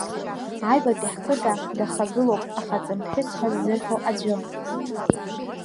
Аҩбатәи ҳқыҭа дахагылоуп ахаҵамԥҳәыс ҳәа ззырҳәо аӡәы.